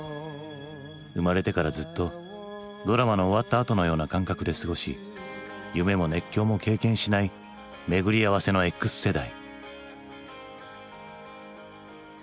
生まれてからずっとドラマの終わったあとのような感覚で過ごし夢も熱狂も経験しない巡り合わせのＸ世代。